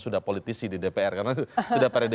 sudah politisi di dpr karena sudah pada